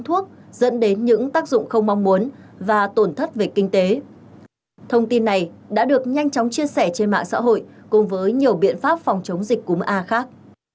thông tin này đã được nhanh chóng chia sẻ trên mạng xã hội cùng với nhiều biện pháp phòng chống dịch cúm a khác